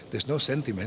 tidak ada sentimen